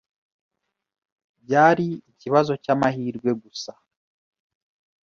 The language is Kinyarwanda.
Byari ikibazo cyamahirwe gusa.